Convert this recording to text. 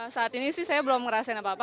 saat ini sih saya belum ngerasain apa apa